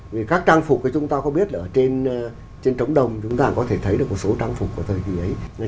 vì các trang phục chúng ta có biết ở trên trống đồng chúng ta có thể thấy được một số trang phục của thời kỳ ấy